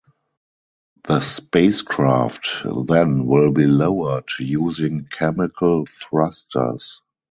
The spacecraft then will be lowered using chemical thrusters.